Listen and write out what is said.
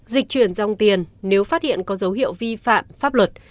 dịch chuyển dòng tiền nếu phát hiện có dấu hiệu vi phạm pháp luật